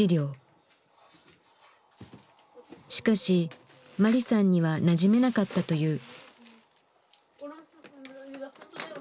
しかしマリさんにはなじめなかったという。